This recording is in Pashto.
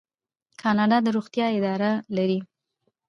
کاناډا د روغتیا اداره لري.